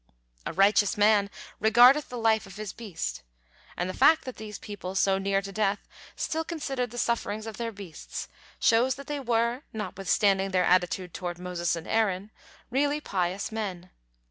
"A righteous man regardeth the life of his beast," and the fact that these people, so near to death, still considered the sufferings of their beasts shows that they were, notwithstanding their attitude toward Moses and Aaron, really pious men.